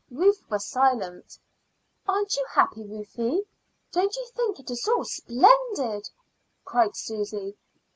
Ruth was silent. "Aren't you happy, Ruthie? Don't you think it is all splendid?" cried Susy.